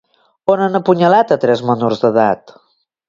On han apunyalat a tres menors d'edat?